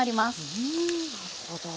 ふんなるほど。